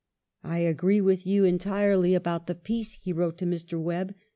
" I agree with you entirely about the peace," he wrote to Mr. Webbe.